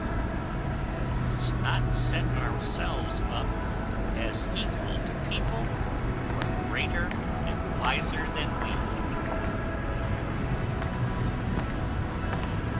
We must not set ourselves up as equal to people who are greater and wiser than we.